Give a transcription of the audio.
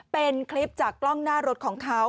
เป็นคลิปจากกล้องหน้ารถของเขา